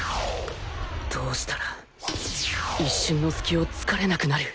どうしたら一瞬のスキをつかれなくなる？